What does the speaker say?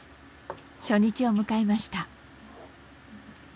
初日を迎えました。